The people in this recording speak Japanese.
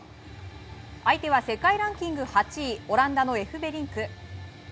相手は世界ランキング８位オランダのエフべリンク。